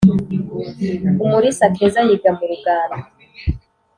- umurisa keza yiga mu rugando